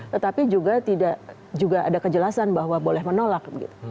tetapi juga tidak ada kejelasan bahwa boleh menolak